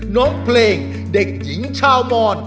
น้องเพลงเด็กหญิงชาวมอน